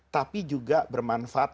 tapi juga bermanfaat